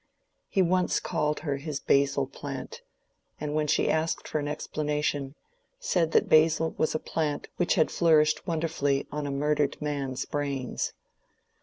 He once called her his basil plant; and when she asked for an explanation, said that basil was a plant which had flourished wonderfully on a murdered man's brains.